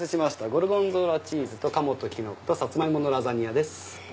ゴルゴンゾーラチーズと鴨ときの子とさつま芋のラザニアです。